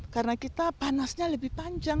karena kita panasnya lebih panjang